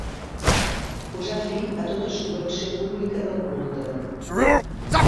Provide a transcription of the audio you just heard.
Posà fi a tota subvenció pública del culte.